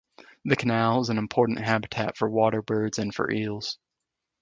The canal is an important habitat for water birds and for eels.